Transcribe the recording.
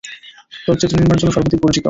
চলচ্চিত্র নির্মাণের জন্য সর্বাধিক পরিচিত।